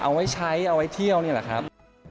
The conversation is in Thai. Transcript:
เอาไว้ใช้เอาไว้เที่ยวนี่แหละครับ